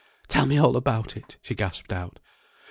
"Tell me all about it," she gasped out.